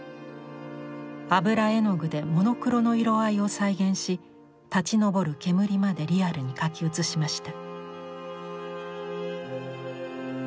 油絵の具でモノクロの色合いを再現し立ちのぼる煙までリアルに描き写しました。